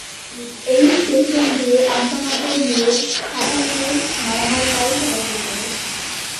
এই স্টেশন দিয়ে আন্তঃনগর, মেইল, সাধারণ মেইল, মালামাল গাড়ি চলাচল করে।